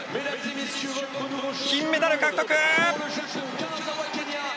金メダル獲得！